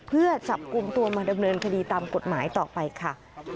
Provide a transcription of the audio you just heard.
เพื่อจับกลุ่มตัวมาดำเนินคดีตามกฎหมายต่อไปค่ะ